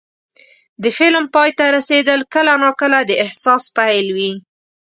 د فلم پای ته رسېدل کله ناکله د احساس پیل وي.